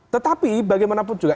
tetapi bagaimanapun juga